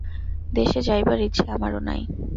দেশে যাইবার ইচ্ছা আমারও নাই।